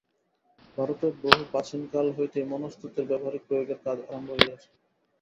ভারতে বহু প্রাচীনকাল হইতেই মনস্তত্ত্বের ব্যাবহারিক প্রয়োগের কাজ আরম্ভ হইয়াছে।